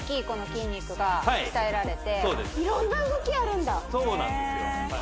この筋肉が鍛えられてそうです色んな動きあるんだそうなんですよ